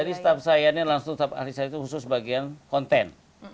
jadi staf saya ini langsung staf ahli saya itu khusus bagian konten